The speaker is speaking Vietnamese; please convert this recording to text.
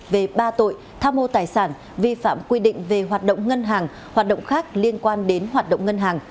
về ba tội tham mô tài sản vi phạm quy định về hoạt động ngân hàng hoạt động khác liên quan đến hoạt động ngân hàng